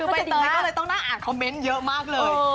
ใบเตยก็เลยต้องน่าอ่านคอมเมนต์เยอะมากเลย